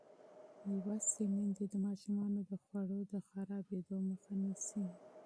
لوستې میندې د ماشومانو د خوړو د خرابېدو مخه نیسي.